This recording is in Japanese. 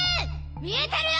見えてるよ